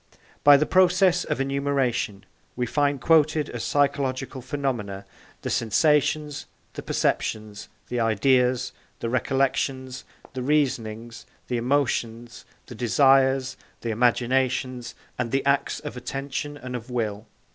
By the process of enumeration, we find quoted as psychological phenomena, the sensations, the perceptions, the ideas, the recollections, the reasonings, the emotions, the desires, the imaginations, and the acts of attention and of will.